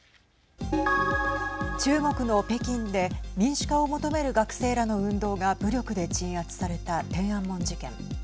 中国の北京で民主化を求める学生らの運動が武力で鎮圧された天安門事件。